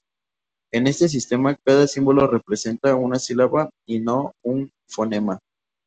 En este sistema, cada símbolo representa una sílaba y no un fonema.